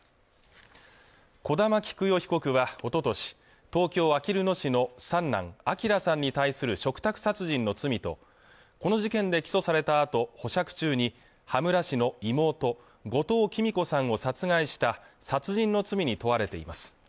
小玉喜久代被告はおととし東京・あきる野市の三男・昭さんに対する嘱託殺人の罪とこの事件で起訴されたあと保釈中に羽村市の妹後藤喜美子さんを殺害した殺人の罪に問われています